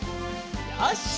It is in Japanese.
よし！